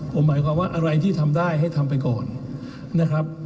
ผมหมายความว่าอะไรที่ทำได้ให้ทำไปก่อนนะครับ